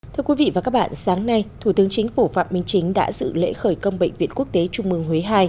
thưa quý vị và các bạn sáng nay thủ tướng chính phủ phạm minh chính đã dự lễ khởi công bệnh viện quốc tế trung mương huế ii